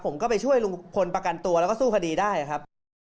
ผมก็ไปช่วยลุงพลประกันตัวแล้วก็สู้คดีได้ครับ